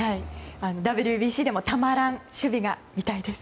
ＷＢＣでもたまらん守備が見たいです。